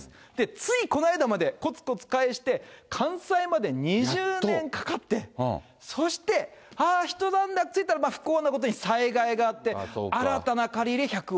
ついこの間までこつこつ返して、完済まで２０年かかって、そして、ああ、一段落ついたら、不幸なことに災害があって、新たな借り入れ１００億。